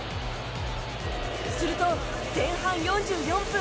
すると前半４４分。